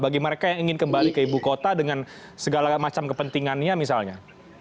bagi mereka yang ingin kembali ke ibu kota dengan segala macam kepentingannya misalnya